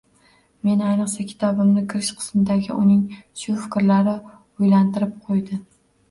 Meni ayniqsa kitobning kirish qismidagi uning shu fikrlari oʻylantirib qoʻydi.